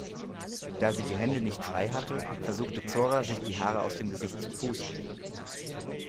Da sie die Hände nicht frei hatte, versuchte Zora sich die Haare aus dem Gesicht zu pusten.